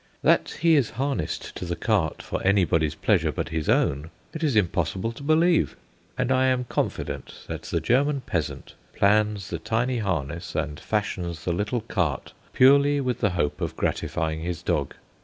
That he is harnessed to the cart for anybody's pleasure but his own it is impossible to believe; and I am confident that the German peasant plans the tiny harness and fashions the little cart purely with the hope of gratifying his dog.